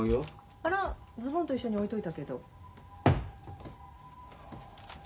あらズボンと一緒に置いておいたけど。